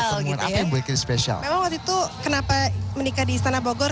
memang waktu itu kenapa menikah di istana bogor